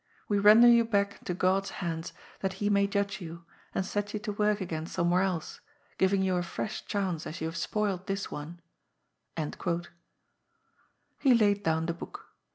We render you back into God's hands that He BLIND JUSTICE. 357 may judge yon, and set yon to work again somewhere else, giving you a fresh chance as you have spoilt this one.' " He laid down the book.